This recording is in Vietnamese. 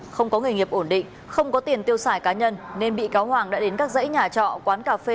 không có nghề nghiệp ổn định không có tiền tiêu xài cá nhân nên bị cáo hoàng đã đến các dãy nhà trọ quán cà phê